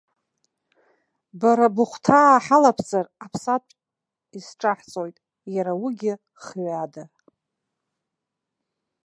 Бара быхәҭаа ҳалабҵар, аԥсатә изҿаҳҵоит, иара уигьы хҩада.